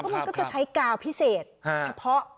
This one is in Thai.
มันก็จะใช้กาวพิเศษเฉพาะ